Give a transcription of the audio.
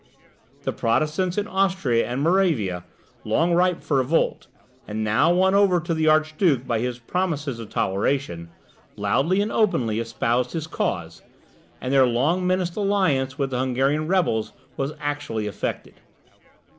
The Protestants in Austria and Moravia, long ripe for revolt, and now won over to the Archduke by his promises of toleration, loudly and openly espoused his cause, and their long menaced alliance with the Hungarian rebels was actually effected.